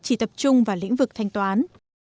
chỉ tập trung vào lĩnh vực thanh toán